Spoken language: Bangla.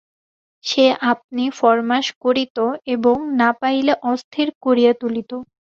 সে আপনি ফরমাশ করিত এবং না পাইলে অস্থির করিয়া তুলিত।